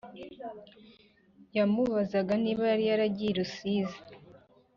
Yamubazaga niba yari yaragiye i rusizi